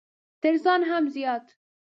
تر ځان هم زيات!